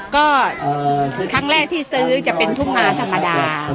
ก็คือครั้งแรกที่ซื้อจะเป็นทุ่งนาธรรมดา